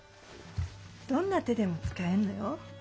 どんな手でも使えるのよ？